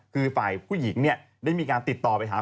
คือฝ่ายผู้หญิงเนี่ยได้มีการติดต่อไปหา